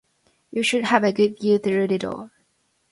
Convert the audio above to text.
You should have a good view through the door.